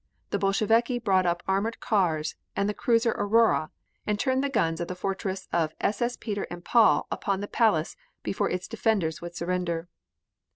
The Bolsheviki brought up armored cars and the cruiser Aurora, and turned the guns of the Fortress of SS. Peter and Paul upon the Palace before its defenders would surrender.